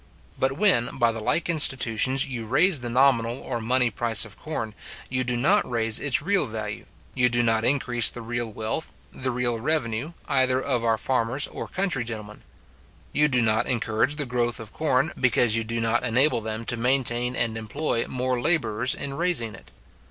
But when, by the like institutions, you raise the nominal or money price of corn, you do not raise its real value; you do not increase the real wealth, the real revenue, either of our farmers or country gentlemen; you do not encourage the growth of corn, because you do not enable them to maintain and employ more labourers in raising it.